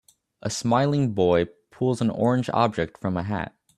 A smiling boy pulls an orange object from a hat